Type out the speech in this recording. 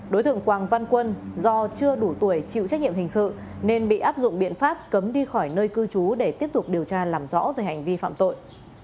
đối tượng quảng văn quân do chưa đủ tuổi chịu trách nhiệm hình sự nên bị áp dụng biện pháp cấm đi khỏi nơi cư trú để tiếp tục điều tra làm rõ về hành vi phạm tội